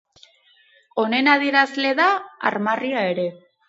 Honen adierazle da armarria ere.